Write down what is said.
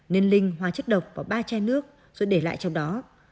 nên linh hóa chất độc và ba chai nước rồi để lại trong đó